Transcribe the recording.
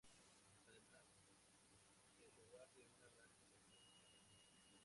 Además, es el hogar de una gran población salvadoreña.